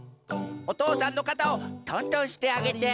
おとうさんのかたをとんとんしてあげて。